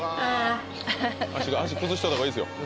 足が足崩しといたほうがいいっすよ